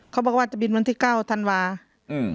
เขาบอกว่าจะบินวันที่เก้าธันวาอืม